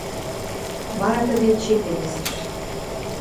Вара тӹдӹ эче келесӹш: